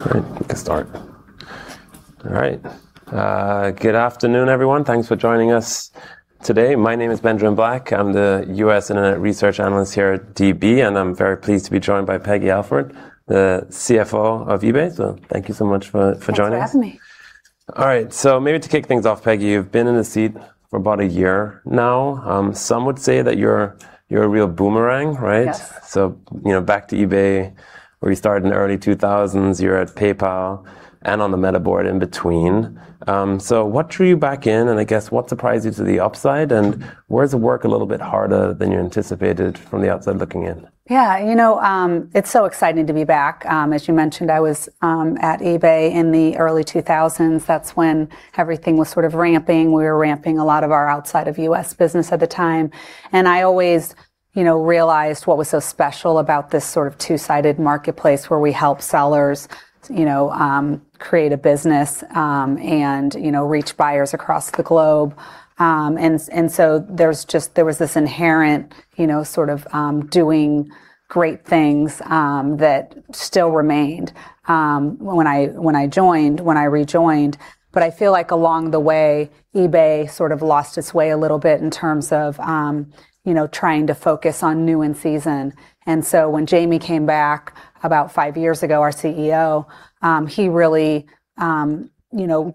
All right. We can start. All right. Good afternoon, everyone. Thanks for joining us today. My name is Benjamin Black. I'm the U.S. internet research analyst here at DB, and I'm very pleased to be joined by Peggy Alford, the CFO of eBay. Thank you so much for joining us. Thanks for having me. All right. Maybe to kick things off, Peggy, you've been in the seat for about a year now. Some would say that you're a real boomerang, right? Yes. Back to eBay, where you started in the early 2000s. You were at PayPal and on the Meta board in between. What drew you back in, and I guess what surprised you to the upside, and where does it work a little bit harder than you anticipated from the outside looking in? Yeah. It's so exciting to be back. As you mentioned, I was at eBay in the early 2000s. That's when everything was sort of ramping. We were ramping a lot of our outside of U.S. business at the time. I always realized what was so special about this sort of two-sided marketplace where we help sellers create a business and reach buyers across the globe. There was this inherent sort of doing great things that still remained when I rejoined. I feel like along the way, eBay sort of lost its way a little bit in terms of trying to focus on new in-season. When Jamie came back about five years ago, our CEO, he really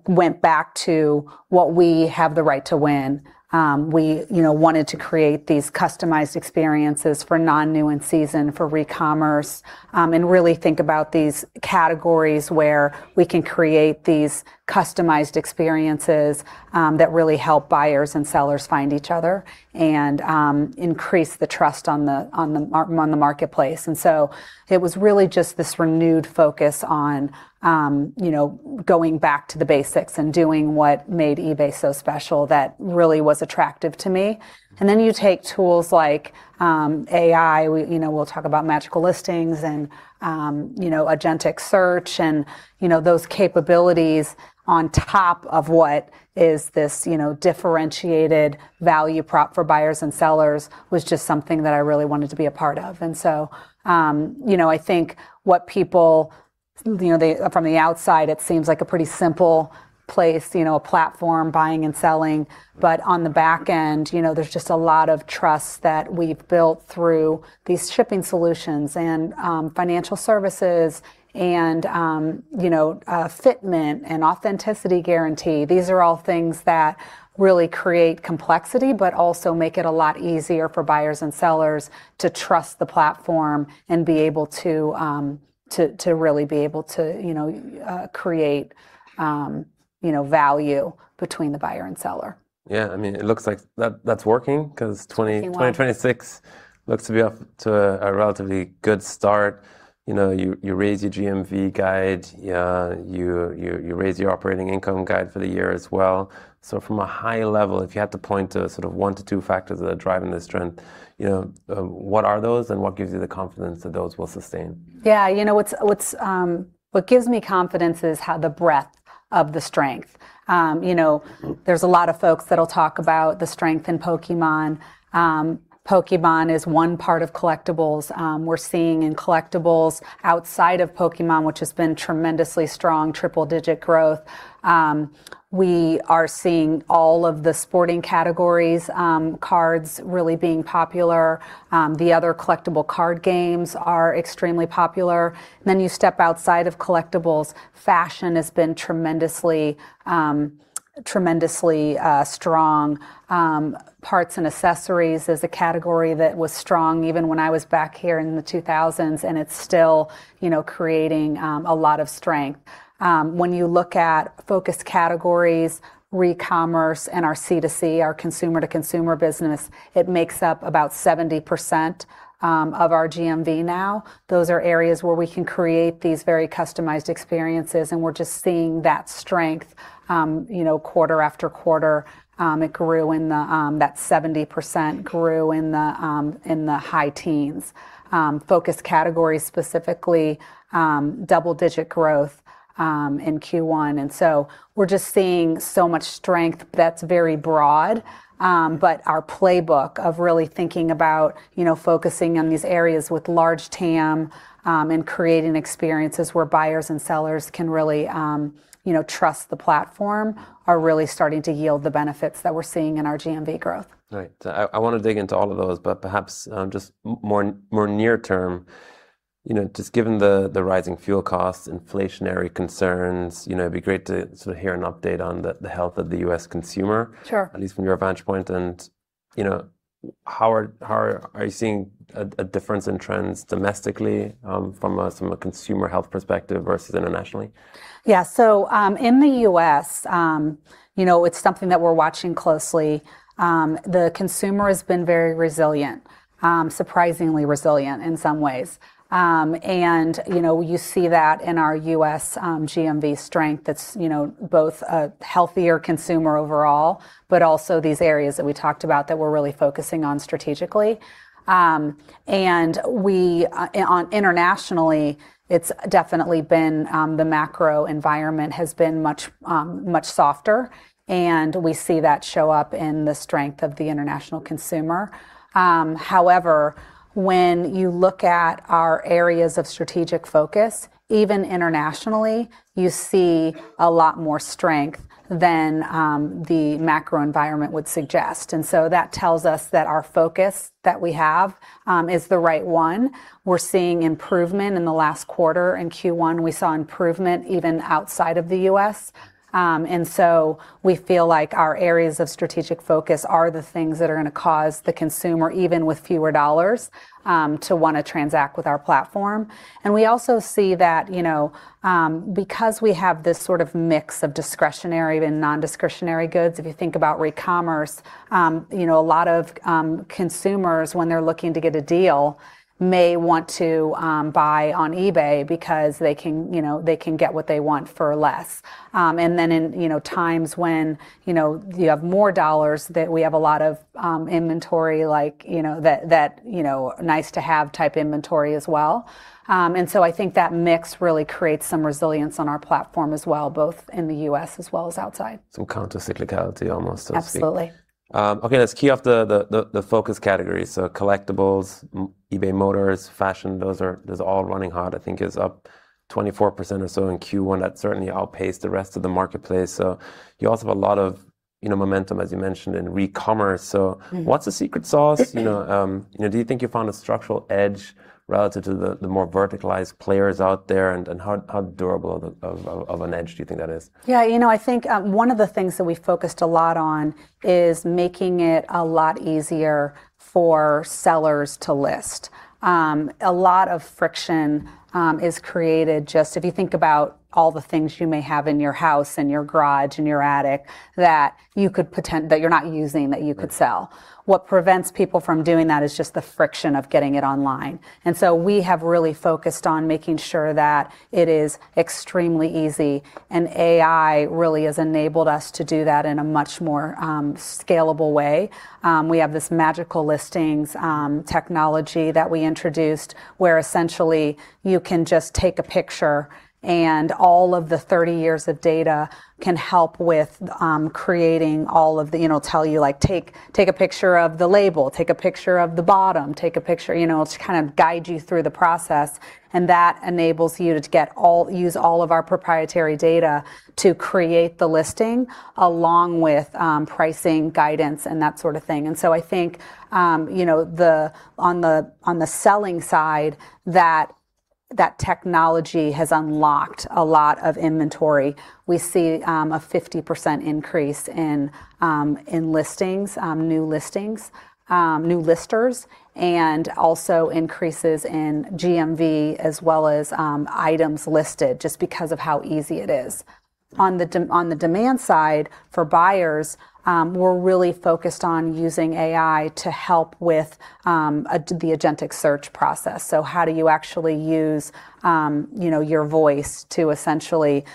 went back to what we have the right to win. We wanted to create these customized experiences for non-new and season, for recommerce, really think about these categories where we can create these customized experiences that really help buyers and sellers find each other and increase the trust on the marketplace. It was really just this renewed focus on going back to the basics and doing what made eBay so special that really was attractive to me. You take tools like AI. We'll talk about Magical Listing and agentic search and those capabilities on top of what is this differentiated value prop for buyers and sellers, was just something that I really wanted to be a part of. I think what people from the outside, it seems like a pretty simple place, a platform, buying and selling. On the back end, there's just a lot of trust that we've built through these shipping solutions and financial services and Fitment and Authenticity Guarantee. These are all things that really create complexity, but also make it a lot easier for buyers and sellers to trust the platform and to really be able to create value between the buyer and seller. Yeah, it looks like that's working because. Q1 2026 looks to be off to a relatively good start. You raised your GMV guide. You raised your operating income guide for the year as well. From a high level, if you had to point to sort of one to two factors that are driving this trend, what are those and what gives you the confidence that those will sustain? Yeah. What gives me confidence is how the breadth of the strength. There's a lot of folks that'll talk about the strength in Pokémon. Pokémon is one part of collectibles. We're seeing in collectibles outside of Pokémon, which has been tremendously strong, triple-digit growth. We are seeing all of the sporting categories, cards really being popular. The other collectible card games are extremely popular. You step outside of collectibles. Fashion has been tremendously strong. Parts and accessories is a category that was strong even when I was back here in the 2000s, and it's still creating a lot of strength. When you look at focused categories, recommerce, and our C2C, our consumer-to-consumer business, it makes up about 70% of our GMV now. Those are areas where we can create these very customized experiences, and we're just seeing that strength quarter after quarter. That 70% grew in the high teens. Focused categories, specifically double-digit growth in Q1. We're just seeing so much strength that's very broad. Our playbook of really thinking about focusing on these areas with large TAM and creating experiences where buyers and sellers can really trust the platform, are really starting to yield the benefits that we're seeing in our GMV growth. Right. I want to dig into all of those, but perhaps just more near term, just given the rising fuel costs, inflationary concerns, it'd be great to sort of hear an update on the health of the U.S. consumer. Sure. At least from your vantage point. How are you seeing a difference in trends domestically from a consumer health perspective versus internationally? Yeah. In the U.S., it's something that we're watching closely. The consumer has been very resilient, surprisingly resilient in some ways. You see that in our U.S. GMV strength, that's both a healthier consumer overall, but also these areas that we talked about that we're really focusing on strategically. Internationally, it's definitely been the macro environment has been much softer, and we see that show up in the strength of the international consumer. When you look at our areas of strategic focus, even internationally, you see a lot more strength than the macro environment would suggest. That tells us that our focus that we have is the right one. We're seeing improvement in the last quarter. In Q1, we saw improvement even outside of the U.S. We feel like our areas of strategic focus are the things that are going to cause the consumer, even with fewer dollars, to want to transact with our platform. We also see that because we have this sort of mix of discretionary and non-discretionary goods, if you think about recommerce, a lot of consumers when they're looking to get a deal may want to buy on eBay because they can get what they want for less. In times when you have more dollars, that we have a lot of inventory, like nice-to-have type inventory as well. I think that mix really creates some resilience on our platform as well, both in the U.S. as well as outside. Some counter cyclicality almost, so to speak. Absolutely. Okay. Let's key off the focus category. Collectibles, eBay Motors, fashion, those all running hot, I think is up 24% or so in Q1. That certainly outpaced the rest of the marketplace. You also have a lot of momentum, as you mentioned, in recommerce. What's the secret sauce? Do you think you found a structural edge relative to the more verticalized players out there? How durable of an edge do you think that is? Yeah. I think one of the things that we focused a lot on is making it a lot easier for sellers to list. A lot of friction is created just if you think about all the things you may have in your house and your garage and your attic that you could pretend that you're not using, that you could sell. What prevents people from doing that is just the friction of getting it online. So we have really focused on making sure that it is extremely easy, and AI really has enabled us to do that in a much more scalable way. We have this Magical Listing technology that we introduced where essentially you can just take a picture and all of the 30 years of data can help with creating all of the, tell you, like, "Take a picture of the label. Take a picture of the bottom. Take a picture. That enables you to use all of our proprietary data to create the listing, along with pricing guidance and that sort of thing. I think on the selling side, that technology has unlocked a lot of inventory. We see a 50% increase in listings, new listings, new listers, and also increases in GMV as well as items listed, just because of how easy it is. On the demand side for buyers, we're really focused on using AI to help with the agentic search process. How do you actually use your voice to essentially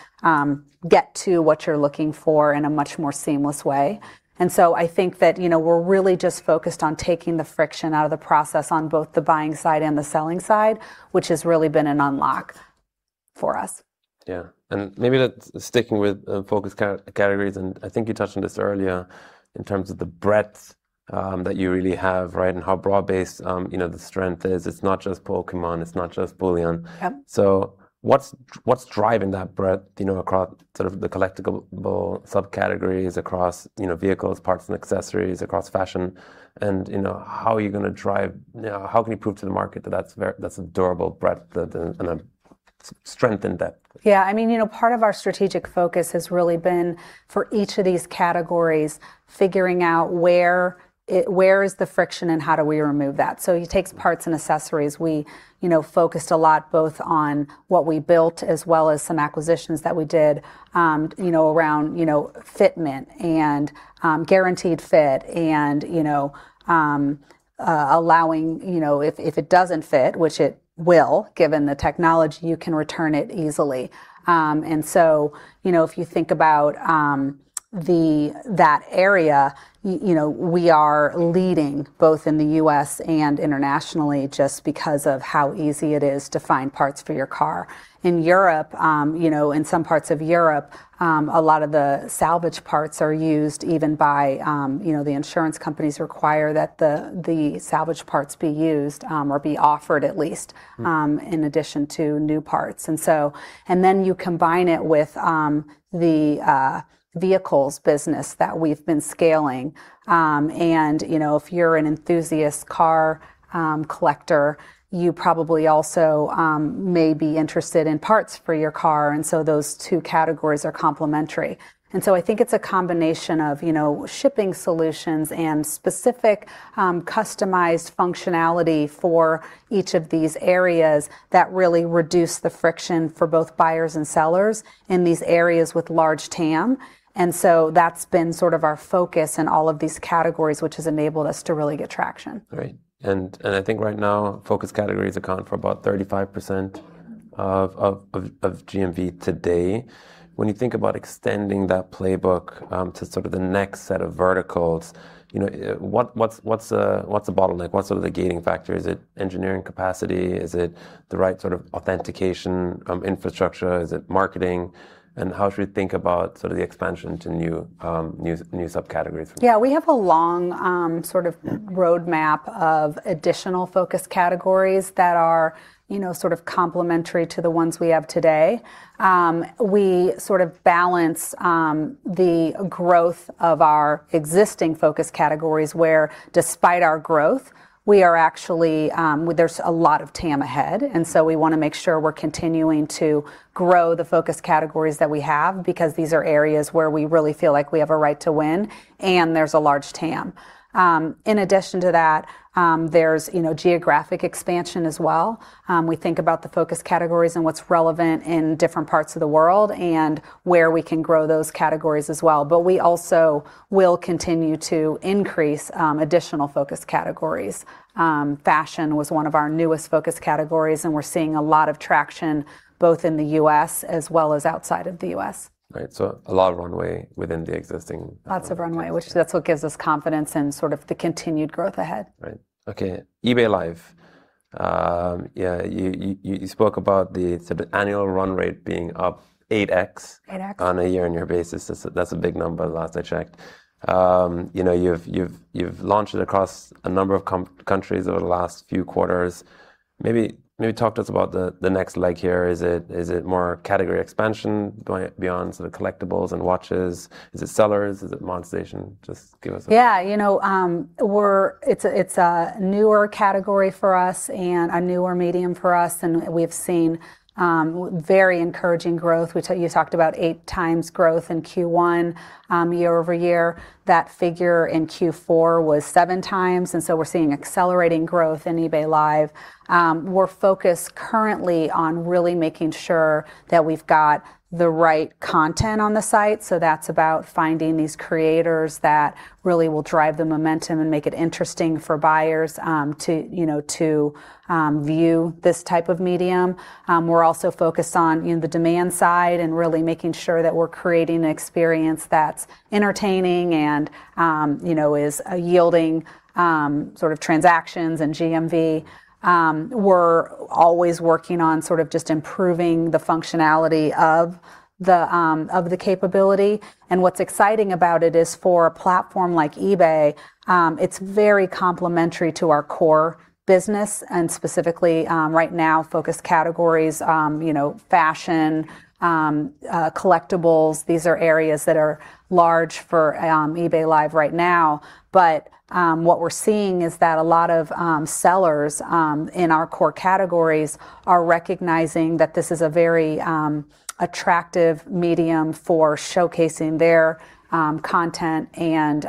get to what you're looking for in a much more seamless way? I think that we're really just focused on taking the friction out of the process on both the buying side and the selling side, which has really been an unlock for us. Yeah. Maybe sticking with focus categories, and I think you touched on this earlier in terms of the breadth that you really have, right, and how broad-based the strength is. It's not just Pokémon, it's not just bullion. Yep. What's driving that breadth across sort of the collectible subcategories, across vehicles, parts and accessories, across fashion, and how can you prove to the market that that's a durable breadth and a strength in depth? Yeah. Part of our strategic focus has really been for each of these categories, figuring out where is the friction and how do we remove that. You take parts and accessories. We focused a lot both on what we built as well as some acquisitions that we did around fitment and Guaranteed Fit and allowing if it doesn't fit, which it will, given the technology, you can return it easily. If you think about that area, we are leading both in the U.S. and internationally just because of how easy it is to find parts for your car. In Europe, in some parts of Europe, a lot of the salvage parts are used even by, the insurance companies require that the salvage parts be used, or be offered at least, in addition to new parts. Then you combine it with the vehicles business that we've been scaling, and if you're an enthusiast car collector, you probably also may be interested in parts for your car. Those two categories are complementary. I think it's a combination of shipping solutions and specific customized functionality for each of these areas that really reduce the friction for both buyers and sellers in these areas with large TAM. That's been sort of our focus in all of these categories, which has enabled us to really get traction. Great. I think right now, focus categories account for about 35% of GMV today. When you think about extending that playbook to sort of the next set of verticals, what's a bottleneck? What's the gating factor? Is it engineering capacity? Is it the right sort of authentication infrastructure? Is it marketing? How should we think about sort of the expansion to new subcategories? Yeah, we have a long sort of roadmap of additional focus categories that are sort of complementary to the ones we have today. We sort of balance the growth of our existing focus categories where despite our growth, there's a lot of TAM ahead. We want to make sure we're continuing to grow the focus categories that we have because these are areas where we really feel like we have a right to win and there's a large TAM. In addition to that, there's geographic expansion as well. We think about the focus categories and what's relevant in different parts of the world and where we can grow those categories as well. We also will continue to increase additional focus categories. Fashion was one of our newest focus categories, and we're seeing a lot of traction both in the U.S. as well as outside of the U.S. Right. A lot of runway within the existing- Lots of runway, which that's what gives us confidence in sort of the continued growth ahead. Right. Okay. eBay Live. Yeah, you spoke about the sort of annual run rate being up 8X. 8X on a year-on-year basis. That's a big number last I checked. You've launched it across a number of countries over the last few quarters. Maybe talk to us about the next leg here. Is it more category expansion going beyond the collectibles and watches? Is it sellers? Is it monetization? Yeah. It's a newer category for us and a newer medium for us, and we've seen very encouraging growth. You talked about 8x growth in Q1 year-over-year. That figure in Q4 was 7x. So we're seeing accelerating growth in eBay Live. We're focused currently on really making sure that we've got the right content on the site, so that's about finding these creators that really will drive the momentum and make it interesting for buyers to view this type of medium. We're also focused on the demand side and really making sure that we're creating an experience that's entertaining and is yielding sort of transactions and GMV. We're always working on sort of just improving the functionality of the capability, and what's exciting about it is for a platform like eBay, it's very complementary to our core business and specifically, right now, focus categories, fashion, collectibles. These are areas that are large for eBay Live right now. What we're seeing is that a lot of sellers in our core categories are recognizing that this is a very attractive medium for showcasing their content and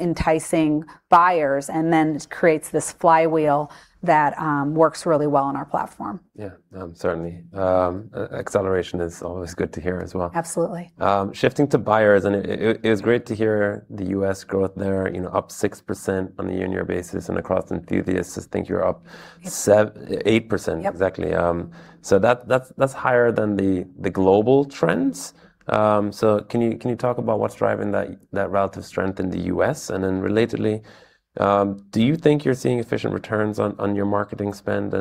enticing buyers, and then it creates this flywheel that works really well on our platform. Yeah. Certainly. Acceleration is always good to hear as well. Absolutely. Shifting to buyers, and it was great to hear the U.S. growth there, up 6% on a year-on-year basis and across enthusiasts, I think you're up 8%. Yep. Exactly. That's higher than the global trends. Can you talk about what's driving that relative strength in the U.S.? Then relatedly, do you think you're seeing efficient returns on your marketing spend?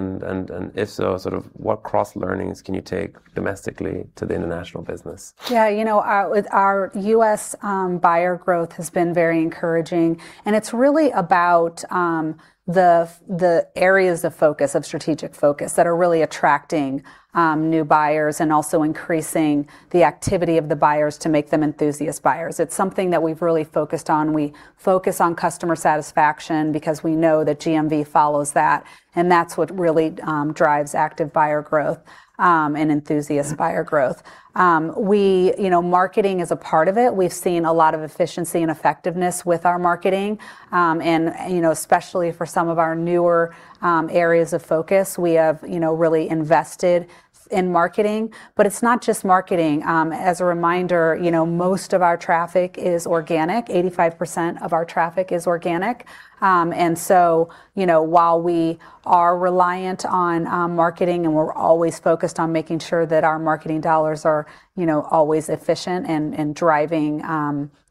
If so, sort of what cross-learnings can you take domestically to the international business? Yeah. Our U.S. buyer growth has been very encouraging. It's really about the areas of strategic focus that are really attracting new buyers and also increasing the activity of the buyers to make them enthusiast buyers. It's something that we've really focused on. We focus on customer satisfaction because we know that GMV follows that. That's what really drives active buyer growth and enthusiast buyer growth. Marketing is a part of it. We've seen a lot of efficiency and effectiveness with our marketing. Especially for some of our newer areas of focus, we have really invested in marketing. It's not just marketing. As a reminder, most of our traffic is organic. 85% of our traffic is organic. While we are reliant on marketing and we're always focused on making sure that our marketing dollars are always efficient and driving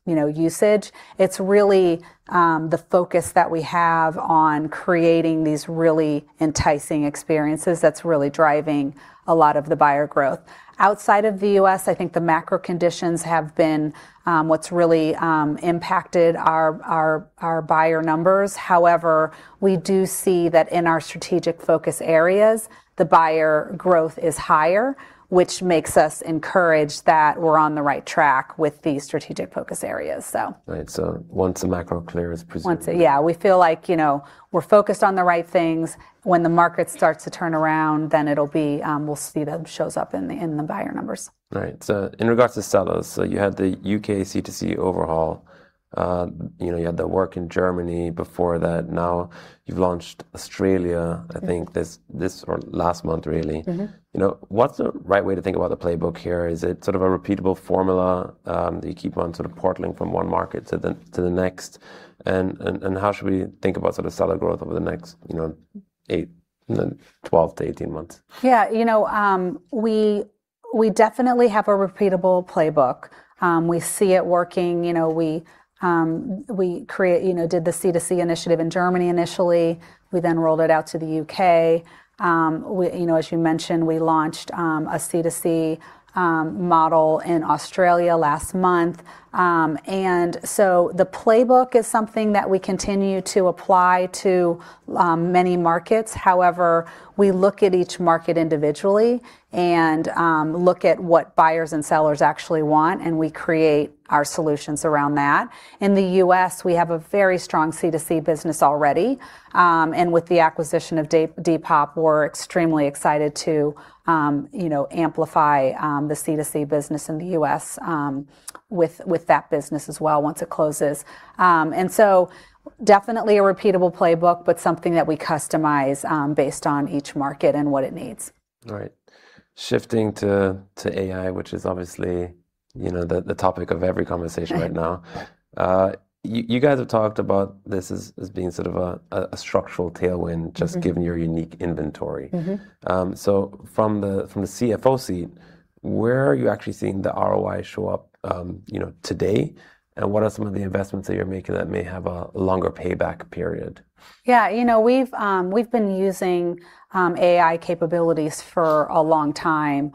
usage, it's really the focus that we have on creating these really enticing experiences that's really driving a lot of the buyer growth. Outside of the U.S., I think the macro conditions have been what's really impacted our buyer numbers. However, we do see that in our strategic focus areas, the buyer growth is higher, which makes us encouraged that we're on the right track with the strategic focus areas. Right. Once the macro clears presumably. Yeah. We feel like we're focused on the right things. When the market starts to turn around, then we'll see that shows up in the buyer numbers. Right. In regards to sellers, so you had the U.K. C2C overhaul. You had the work in Germany before that. You've launched Australia, I think this or last month really. What's the right way to think about the playbook here? Is it sort of a repeatable formula that you keep on sort of portaling from one market to the next? How should we think about sort of seller growth over the next eight and then 12 to 18 months? Yeah. We definitely have a repeatable playbook. We see it working. We did the C2C initiative in Germany initially. We then rolled it out to the U.K. As you mentioned, we launched a C2C model in Australia last month. The playbook is something that we continue to apply to many markets. However, we look at each market individually and look at what buyers and sellers actually want, and we create our solutions around that. In the U.S., we have a very strong C2C business already. With the acquisition of Depop, we're extremely excited to amplify the C2C business in the U.S. with that business as well once it closes. Definitely a repeatable playbook, but something that we customize based on each market and what it needs. Right. Shifting to AI, which is obviously the topic of every conversation right now. You guys have talked about this as being sort of a structural tailwind just given your unique inventory. From the CFO seat, where are you actually seeing the ROI show up today, and what are some of the investments that you're making that may have a longer payback period? Yeah. We've been using AI capabilities for a long time.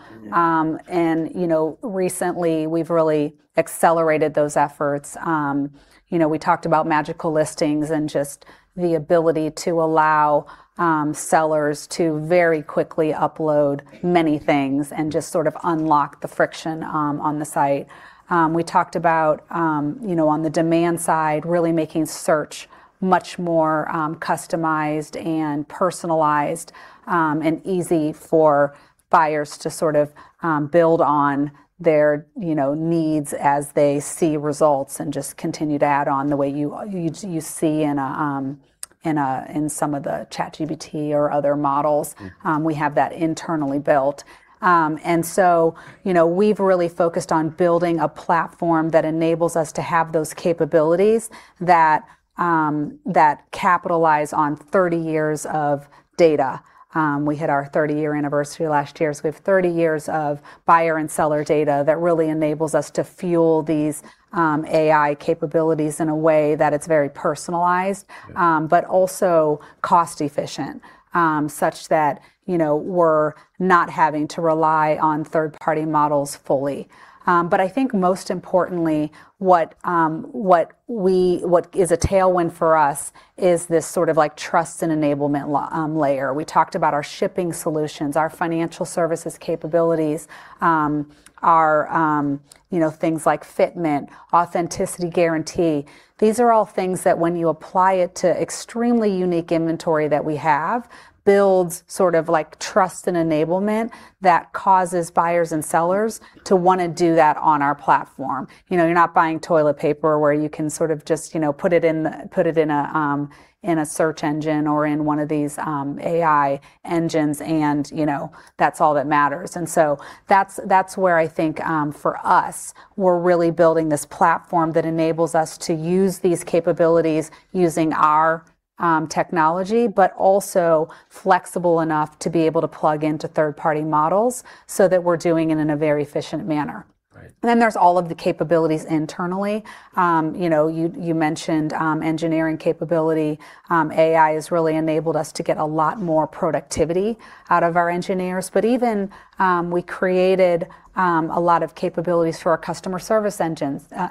Recently we've really accelerated those efforts. We talked about Magical Listing and just the ability to allow sellers to very quickly upload many things and just sort of unlock the friction on the site. We talked about, on the demand side, really making search much more customized and personalized, and easy for buyers to sort of build on their needs as they see results and just continue to add on the way you see in some of the ChatGPT or other models. We have that internally built. We've really focused on building a platform that enables us to have those capabilities that capitalize on 30 years of data. We hit our 30-year anniversary last year, so we have 30 years of buyer and seller data that really enables us to fuel these AI capabilities in a way that it's very personalized. Yeah but also cost efficient, such that we're not having to rely on third-party models fully. I think most importantly, what is a tailwind for us is this sort of trust and enablement layer. We talked about our shipping solutions, our financial services capabilities, our things like Fitment, Authenticity Guarantee. These are all things that when you apply it to extremely unique inventory that we have, builds sort of trust and enablement that causes buyers and sellers to want to do that on our platform. You're not buying toilet paper where you can sort of just put it in a search engine or in one of these AI engines and that's all that matters. That's where I think, for us, we're really building this platform that enables us to use these capabilities using our technology, but also flexible enough to be able to plug into third-party models so that we're doing it in a very efficient manner. Right. There's all of the capabilities internally. You mentioned engineering capability. AI has really enabled us to get a lot more productivity out of our engineers. Even we created a lot of capabilities for our customer service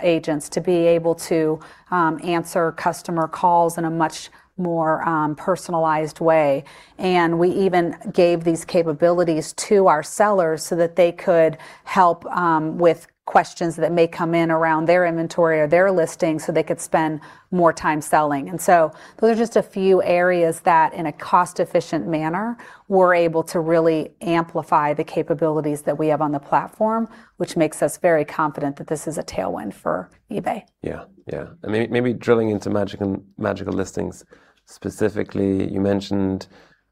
agents to be able to answer customer calls in a much more personalized way. We even gave these capabilities to our sellers so that they could help with questions that may come in around their inventory or their listings so they could spend more time selling. Those are just a few areas that, in a cost-efficient manner, we're able to really amplify the capabilities that we have on the platform, which makes us very confident that this is a tailwind for eBay. Yeah. Maybe drilling into Magical Listing specifically, you mentioned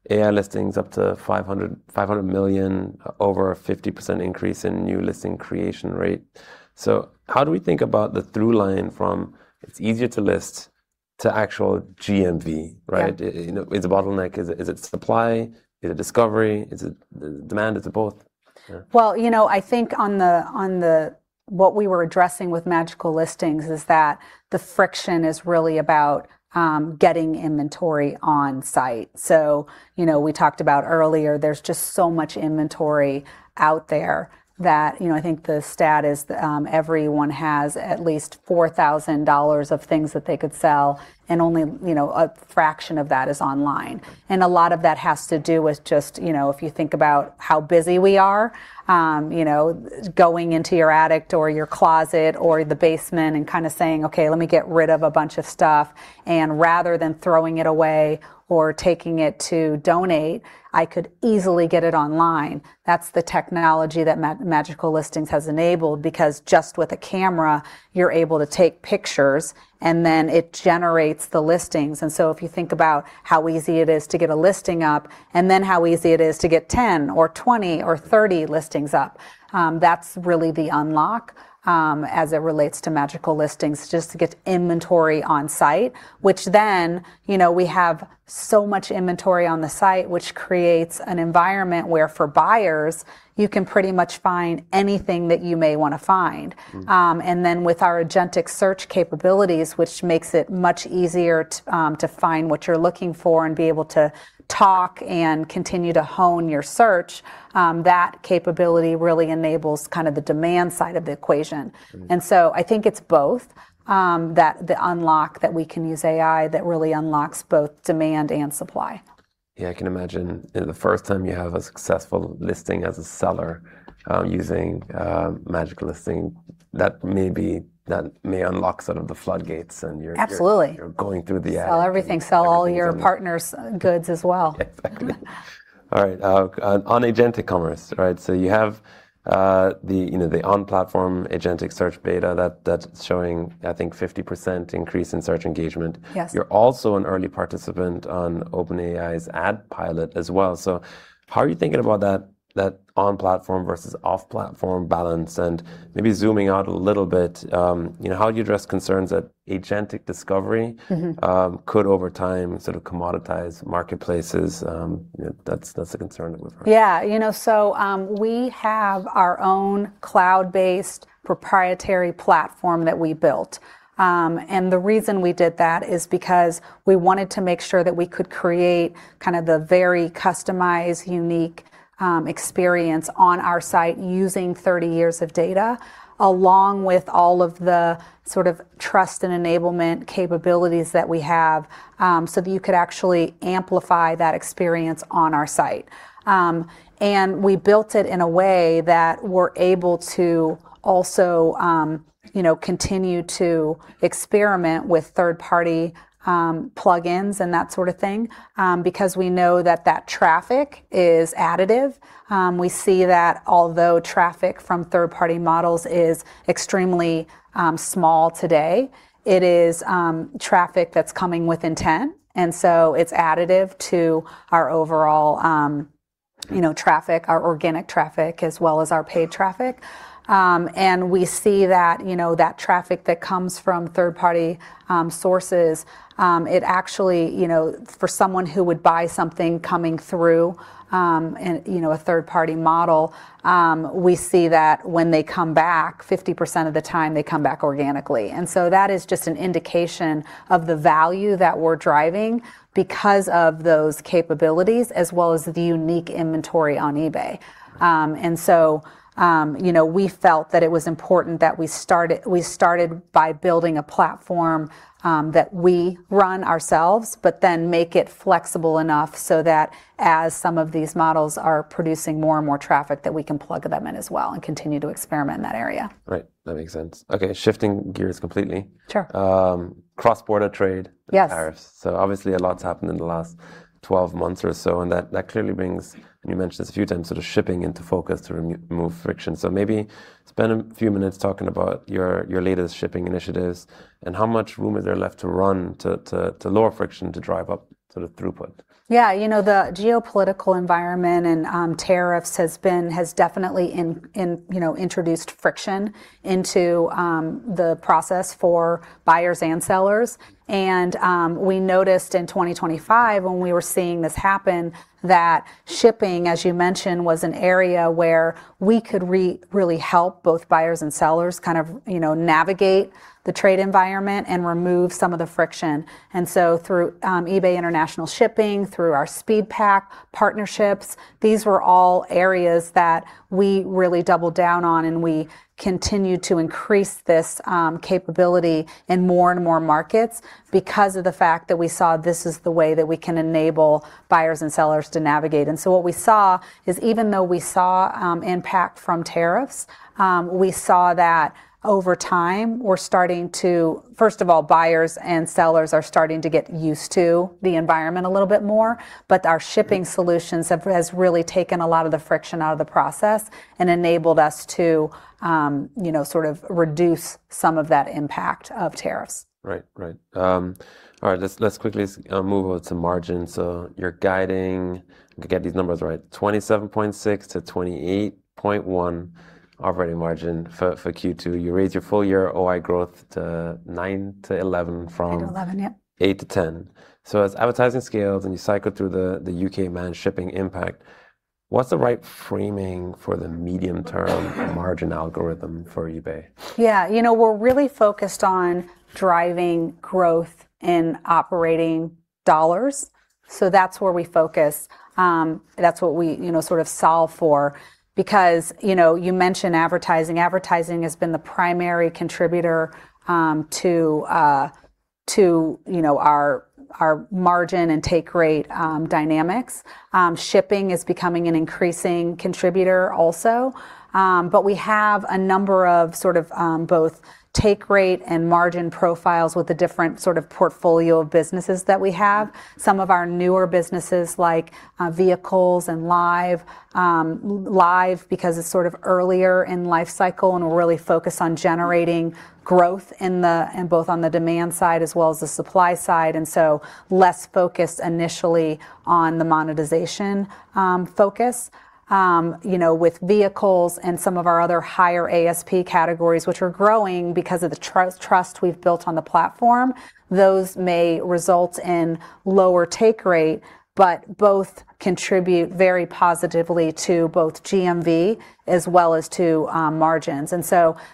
AI listings up to $500 million, over a 50% increase in new listing creation rate. How do we think about the through line from it's easier to list to actual GMV, right? Yeah. Is it a bottleneck? Is it supply? Is it discovery? Is it demand? Is it both? Yeah. I think what we were addressing with Magical Listing is that the friction is really about getting inventory on site. We talked about earlier, there's just so much inventory out there that I think the stat is everyone has at least $4,000 of things that they could sell, and only a fraction of that is online. A lot of that has to do with just if you think about how busy we are, going into your attic or your closet or the basement and kind of saying, "Okay, let me get rid of a bunch of stuff." Rather than throwing it away or taking it to donate, I could easily get it online. That's the technology that Magical Listing has enabled, because just with a camera, you're able to take pictures, and then it generates the listings. If you think about how easy it is to get a listing up and then how easy it is to get 10 or 20 or 30 listings up, that's really the unlock as it relates to Magical Listing, just to get inventory on site. We have so much inventory on the site, which creates an environment where for buyers, you can pretty much find anything that you may want to find. With our agentic search capabilities, which makes it much easier to find what you're looking for and be able to talk and continue to hone your search, that capability really enables kind of the demand side of the equation. I think it's both, that the unlock that we can use AI that really unlocks both demand and supply. Yeah, I can imagine the first time you have a successful listing as a seller using Magical Listing, that may unlock the floodgates. Absolutely you're going through the ad-. Sell everything. Sell all your partner's goods as well. Exactly. All right. On agentic commerce, you have the on-platform agentic search beta that's showing, I think, 50% increase in search engagement. Yes. You're also an early participant on OpenAI's Ad Pilot as well. How are you thinking about that on-platform versus off-platform balance and maybe zooming out a little bit, how do you address concerns that agentic discovery? could, over time, commoditize marketplaces? That's a concern that we've heard. We have our own cloud-based proprietary platform that we built. The reason we did that is because we wanted to make sure that we could create the very customized, unique experience on our site using 30 years of data, along with all of the trust and enablement capabilities that we have, so that you could actually amplify that experience on our site. We built it in a way that we're able to also continue to experiment with third-party plugins and that sort of thing, because we know that that traffic is additive. We see that although traffic from third-party models is extremely small today, it is traffic that's coming with intent, it's additive to our overall traffic, our organic traffic, as well as our paid traffic. We see that traffic that comes from third-party sources, it actually, for someone who would buy something coming through a third-party model, we see that when they come back, 50% of the time, they come back organically. That is just an indication of the value that we're driving because of those capabilities as well as the unique inventory on eBay. We felt that it was important that we started by building a platform that we run ourselves, but then make it flexible enough so that as some of these models are producing more and more traffic, that we can plug them in as well and continue to experiment in that area. Right. That makes sense. Okay, shifting gears completely. Sure. Cross-border trade. Yes and tariffs. Obviously, a lot's happened in the last 12 months or so, and that clearly brings, and you mentioned this a few times, shipping into focus to remove friction. Maybe spend a few minutes talking about your latest shipping initiatives and how much room is there left to run to lower friction, to drive up throughput. Yeah. The geopolitical environment and tariffs has definitely introduced friction into the process for buyers and sellers. We noticed in 2025, when we were seeing this happen, that shipping, as you mentioned, was an area where we could really help both buyers and sellers navigate the trade environment and remove some of the friction. Through eBay International Shipping, through our SpeedPak partnerships, these were all areas that we really doubled down on, and we continued to increase this capability in more and more markets because of the fact that we saw this is the way that we can enable buyers and sellers to navigate. What we saw is even though we saw impact from tariffs, we saw that over time, first of all, buyers and sellers are starting to get used to the environment a little bit more, but our shipping solutions have really taken a lot of the friction out of the process and enabled us to reduce some of that impact of tariffs. Right. All right. Let's quickly move over to margin. You're guiding, let me get these numbers right, 27.6%-28.1% operating margin for Q2. You raised your full year OI growth to 9%-11%. nine to 11, yeah. 8%-10%. As advertising scales and you cycle through the U.K. Managed Shipping impact, what's the right framing for the medium-term margin algorithm for eBay? Yeah. We're really focused on driving growth in operating dollars. That's where we focus. That's what we solve for because you mentioned advertising. Advertising has been the primary contributor to our margin and take rate dynamics. Shipping is becoming an increasing contributor also. We have a number of both take rate and margin profiles with the different portfolio of businesses that we have. Some of our newer businesses like Vehicles and Live. Live, because it's earlier in life cycle, and we're really focused on generating growth both on the demand side as well as the supply side, less focused initially on the monetization focus. With Vehicles and some of our other higher ASP categories, which are growing because of the trust we've built on the platform, those may result in lower take rate, both contribute very positively to both GMV as well as to margins.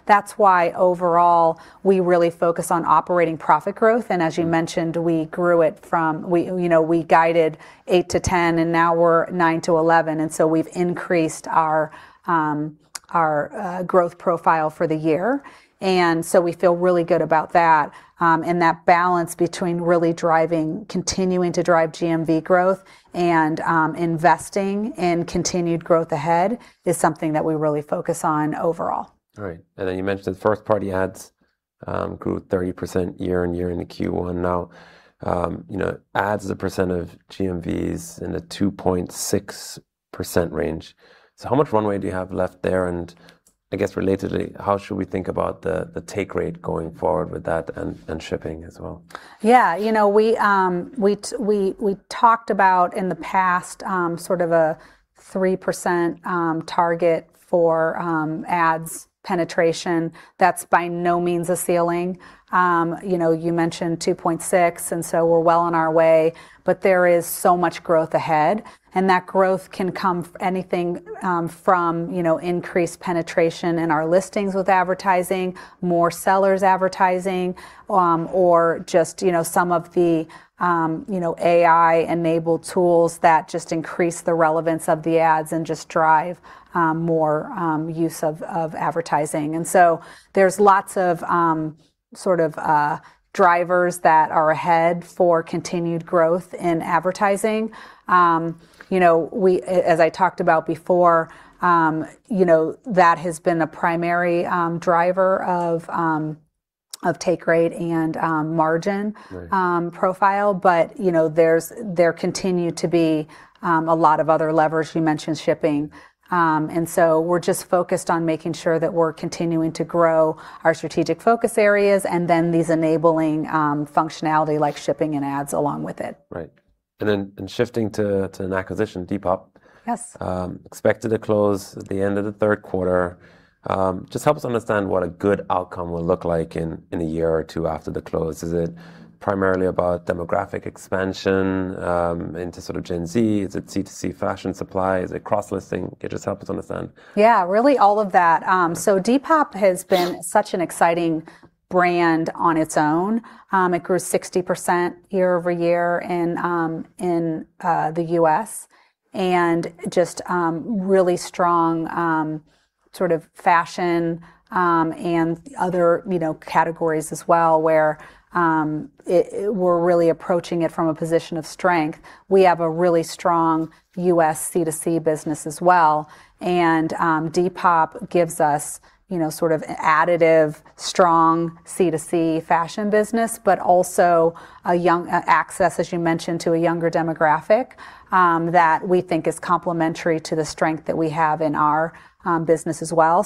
That's why overall, we really focus on operating profit growth. As you mentioned, we guided 8%-10%, and now we're 9%-11%, and so we've increased our growth profile for the year. So we feel really good about that. That balance between really continuing to drive GMV growth and investing in continued growth ahead is something that we really focus on overall. All right. You mentioned first-party ads grew 30% year-on-year in the Q1. Ads as a percent of GMVs in the 2.6% range. How much runway do you have left there? I guess relatedly, how should we think about the take rate going forward with that and shipping as well? Yeah. We talked about, in the past, a 3% target for ads penetration. That's by no means a ceiling. You mentioned 2.6%, and so we're well on our way, but there is so much growth ahead, and that growth can come anything from increased penetration in our listings with advertising, more sellers advertising, or just some of the AI-enabled tools that just increase the relevance of the ads and just drive more use of advertising. There's lots of drivers that are ahead for continued growth in advertising. As I talked about before, that has been a primary driver of take rate and margin. Right profile. There continue to be a lot of other levers. You mentioned shipping. We're just focused on making sure that we're continuing to grow our strategic focus areas, and then these enabling functionality like shipping and ads along with it. Right, in shifting to an acquisition, Depop. Yes. Expected to close at the end of the third quarter. Just help us understand what a good outcome will look like in a year or two after the close. Is it primarily about demographic expansion into Gen Z? Is it C2C fashion supply? Is it cross-listing? Could you just help us understand? Yeah, really all of that. Depop has been such an exciting brand on its own. It grew 60% year-over-year in the U.S., and just really strong fashion and other categories as well, where we're really approaching it from a position of strength. We have a really strong U.S. C2C business as well, and Depop gives us an additive, strong C2C fashion business, but also access, as you mentioned, to a younger demographic that we think is complementary to the strength that we have in our business as well.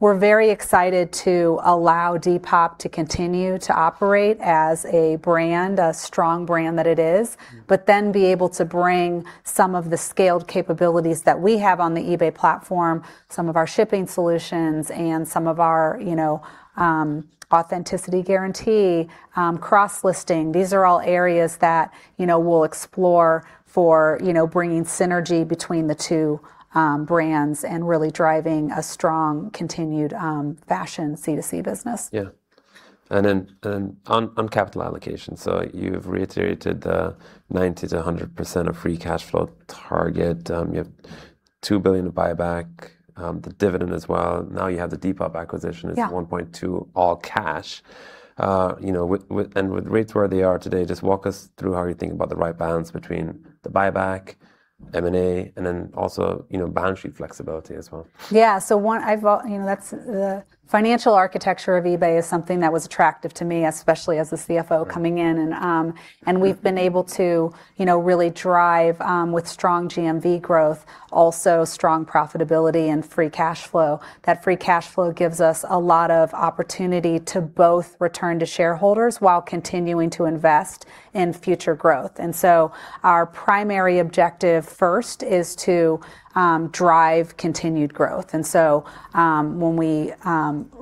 We're very excited to allow Depop to continue to operate as a brand, a strong brand that it is. Be able to bring some of the scaled capabilities that we have on the eBay platform, some of our shipping solutions, and some of our Authenticity Guarantee, cross-listing. These are all areas that we'll explore for bringing synergy between the two brands and really driving a strong continued fashion C2C business. Yeah. On capital allocation. You've reiterated the 90%-100% of free cash flow target. You have $2 billion of buyback, the dividend as well. Now you have the Depop acquisition. Yeah is $1.2, all cash. With rates where they are today, just walk us through how you're thinking about the right balance between the buyback, M&A, and then also balance sheet flexibility as well. Yeah. The financial architecture of eBay is something that was attractive to me, especially as the CFO coming in. Right. We've been able to really drive with strong GMV growth, also strong profitability and free cash flow. That free cash flow gives us a lot of opportunity to both return to shareholders while continuing to invest in future growth. Our primary objective first is to drive continued growth.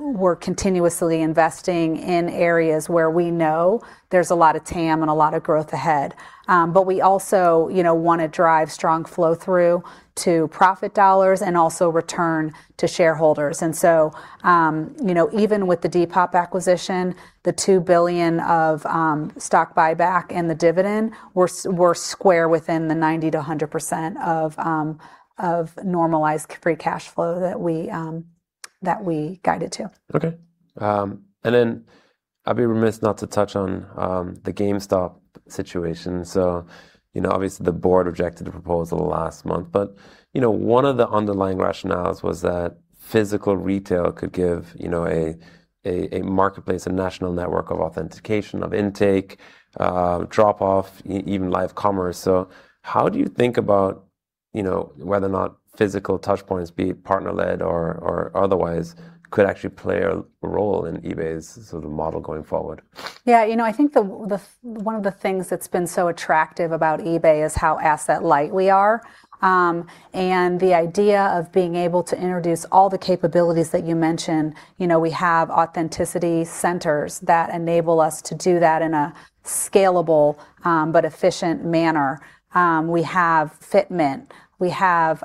We're continuously investing in areas where we know there's a lot of TAM and a lot of growth ahead. We also want to drive strong flow-through to profit dollars and also return to shareholders. Even with the Depop acquisition, the $2 billion of stock buyback and the dividend, we're square within the 90%-100% of normalized free cash flow that we guided to. Okay. I'd be remiss not to touch on the GameStop situation. Obviously the board rejected the proposal last month. One of the underlying rationales was that physical retail could give a marketplace, a national network of authentication, of intake, drop-off, even live commerce. How do you think about whether or not physical touchpoints, be it partner-led or otherwise, could actually play a role in eBay's sort of model going forward? Yeah. I think one of the things that's been so attractive about eBay is how asset light we are, and the idea of being able to introduce all the capabilities that you mentioned. We have authenticity centers that enable us to do that in a scalable but efficient manner. We have Fitment. We have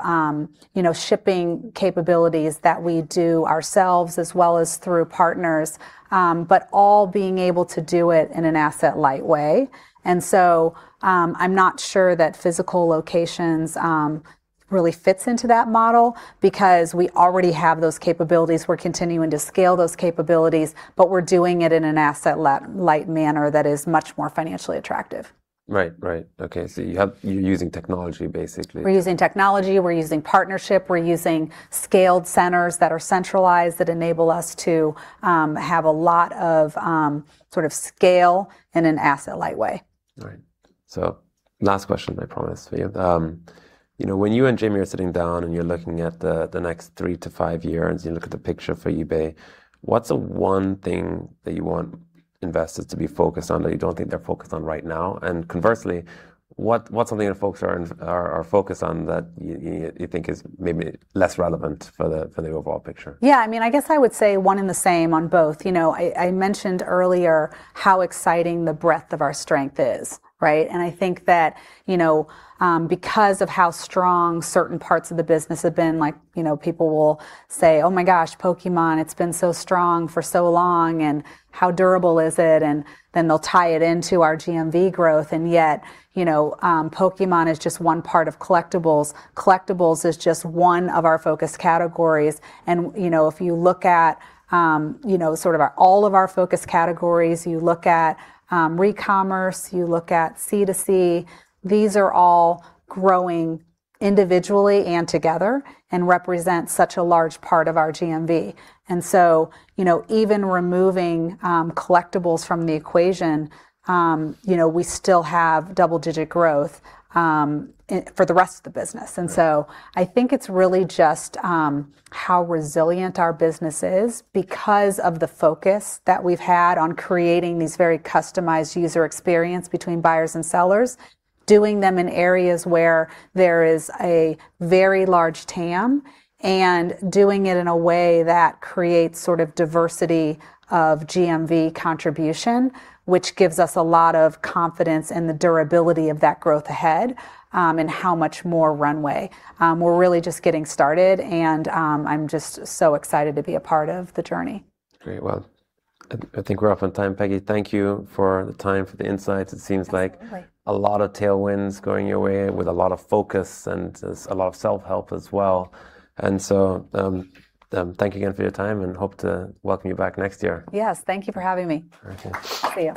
shipping capabilities that we do ourselves as well as through partners, but all being able to do it in an asset light way. I'm not sure that physical locations really fits into that model because we already have those capabilities. We're continuing to scale those capabilities, but we're doing it in an asset light manner that is much more financially attractive. Right. Okay. You're using technology, basically. We're using technology, we're using partnership, we're using scaled centers that are centralized that enable us to have a lot of scale in an asset light way. Right. Last question, I promise for you. When you and Jamie are sitting down and you're looking at the next three to five years, you look at the picture for eBay, what's the one thing that you want investors to be focused on that you don't think they're focused on right now? Conversely, what's something that folks are focused on that you think is maybe less relevant for the overall picture? Yeah. I guess I would say one and the same on both. I mentioned earlier how exciting the breadth of our strength is, right? I think that because of how strong certain parts of the business have been, people will say, "Oh my gosh, Pokémon, it's been so strong for so long, and how durable is it?" Then they'll tie it into our GMV growth. Yet, Pokémon is just one part of collectibles. Collectibles is just one of our focus categories. If you look at sort of all of our focus categories, you look at recommerce, you look at C2C, these are all growing individually and together and represent such a large part of our GMV. So, even removing collectibles from the equation, we still have double-digit growth for the rest of the business. Right. I think it's really just how resilient our business is because of the focus that we've had on creating these very customized user experience between buyers and sellers, doing them in areas where there is a very large TAM, and doing it in a way that creates sort of diversity of GMV contribution, which gives us a lot of confidence in the durability of that growth ahead, and how much more runway. We're really just getting started, and I'm just so excited to be a part of the journey. Great. Well, I think we're off on time, Peggy. Thank you for the time, for the insights. It seems like. Absolutely a lot of tailwinds going your way with a lot of focus, and a lot of self-help as well. Thank you again for your time, and hope to welcome you back next year. Yes, thank you for having me. Okay. See you.